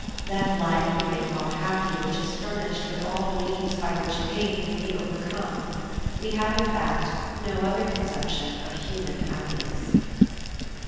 That life we may call happy which is furnished with all the means by which pain can be overcome : we have, in fact, no other conception of human happiness."